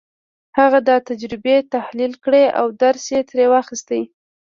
هغه دا تجربې تحليل کړې او درس يې ترې واخيست.